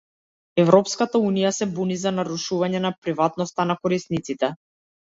Европската Унија се буни за нарушување на приватноста на корисниците.